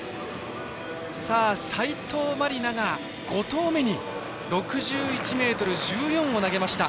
斉藤真理菜が５投目に６１ｍ１４を投げました。